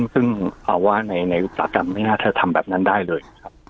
ซึ่งเอาว่าในอุตสาหกรรมไม่น่าจะทำแบบนั้นได้เลยครับ